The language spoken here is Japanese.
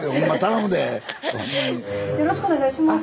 よろしくお願いします。